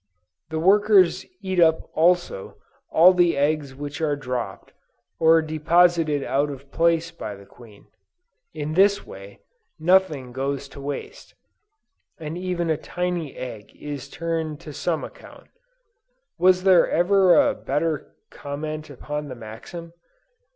The workers eat up also all the eggs which are dropped, or deposited out of place by the queen; in this way, nothing goes to waste, and even a tiny egg is turned to some account. Was there ever a better comment upon the maxim?